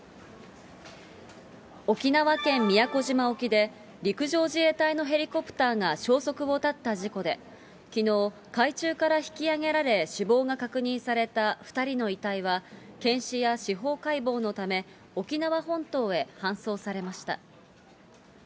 沖縄県宮古島沖で、陸上自衛隊のヘリコプターが消息を絶った事故で、きのう、海中から引きあげられ死亡が確認された２人の遺体は、検視や司法解剖のため、沖縄本島へ搬送されました。